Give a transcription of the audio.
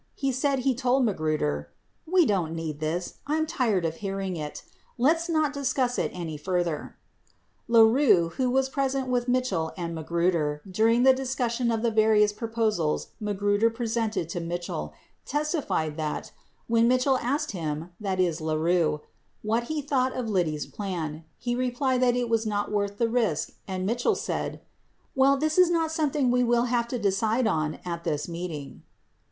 He said he told Magruder "we don't need this, I'm tired of hearing it, let's not discuss it any further." 9T LaRue, who was present with Mitchell and Magruder during the discussion of the various proposals Magruder presented to Mitchell, testified that, when Mitchell asked him (LaRue) what he thought of Liddy's plan, he replied it was not worth the risk and Mitchell said, "Well this is not something we will have to decide on at this meeting."